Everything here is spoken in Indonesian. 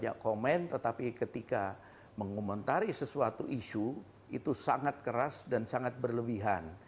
tidak ada kesalahan tetapi ketika mengomentari sesuatu isu itu sangat keras dan sangat berlebihan